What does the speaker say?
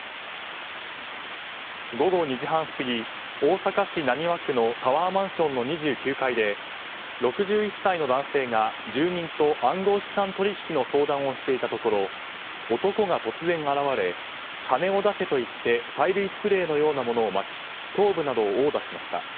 午後２時半過ぎ、大阪市浪速区のタワーマンションの２９階で６１歳の男性が住人と暗号資産取引の相談をしていたところ男が突然現れ金を出せと言って催涙スプレーのようなものをまき頭部などを殴打しました。